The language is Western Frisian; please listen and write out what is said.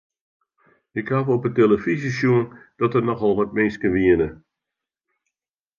Ik haw op 'e telefyzje sjoen dat der nochal wat minsken wiene.